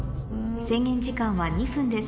制限時間は２分です